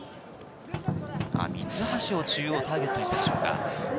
三橋を中央ターゲットにしていたでしょうか。